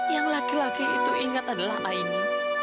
yang laki laki itu ingat adalah aini